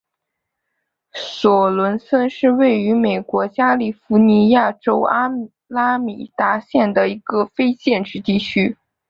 索伦森是位于美国加利福尼亚州阿拉米达县的一个非建制地区。